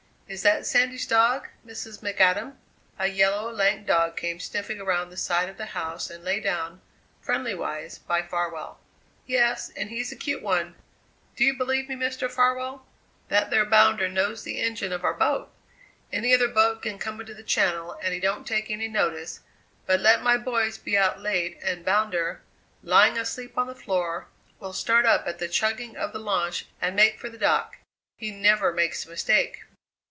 Is that Sandy's dog, Mrs. McAdam?" A yellow, lank dog came sniffing around the side of the house and lay down, friendly wise, by Farwell. "Yes, and he's a cute one. Do you believe me, Mr. Farwell, that there Bounder knows the engine of our boat! Any other boat can come into the Channel and he don't take any notice, but let my boys be out late and Bounder, lying asleep on the floor, will start up at the chugging of the launch and make for the dock. He never makes a mistake."